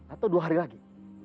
atau dua hari lagi